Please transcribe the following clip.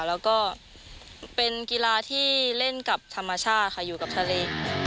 แล้วก็เป็นกีฬาที่เล่นกับธรรมชาติค่ะอยู่กับทะเล